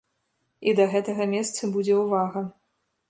І да гэтага месца будзе ўвага.